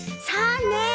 そうね。